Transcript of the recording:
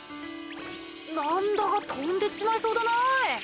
なんだか飛んでっちまいそうだな。